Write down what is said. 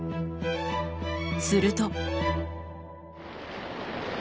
すると。